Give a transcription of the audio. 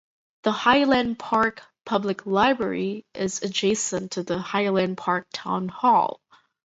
The Highland Park Public Library is adjacent to the Highland Park Town Hall.